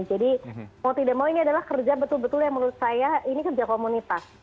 jadi mau tidak mau ini adalah kerja betul betul yang menurut saya ini kerja komunitas